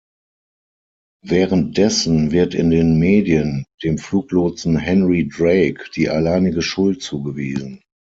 Währenddessen wird in den Medien dem Fluglotsen Henry Drake die alleinige Schuld zugewiesen.